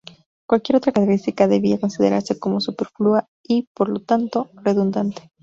Cualquier otra característica debía considerarse como superflua y, por lo tanto, redundante.